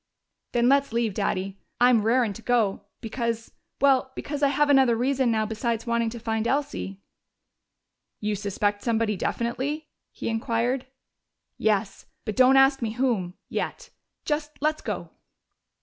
"Then let's leave, Daddy. I'm 'rarin' to go' because well because I have another reason now besides wanting to find Elsie!" "You suspect somebody definitely?" he inquired. "Yes. But don't ask me whom yet. Just let's go."